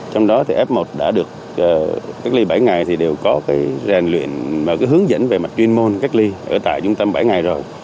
trong đó thì f một đã được cách ly bảy ngày thì đều có cái rèn luyện và cái hướng dẫn về mặt chuyên môn cách ly ở tại trung tâm bảy ngày rồi